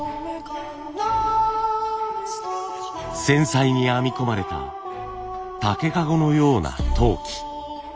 繊細に編み込まれた竹籠のような陶器。